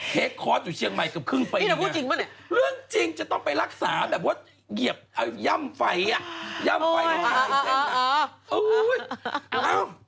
เฮกคอร์สอยู่เชียงใหม่กับครึ่งไปเนี่ยเรื่องจริงจะต้องไปรักษาแบบว่าเหยียบย่ำไฟอ่ะย่ำไฟหลายแสนอ่ะโอ้โหอ๋ออ๋ออ๋อเอา